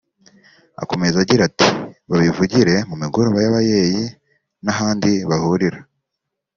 Akomeza agira ati “Babivugire mu migoroba y’abayeyi n’ahandi bahurira